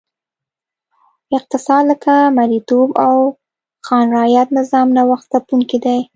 اقتصاد لکه مریتوب او خان رعیت نظام نوښت ځپونکی دی.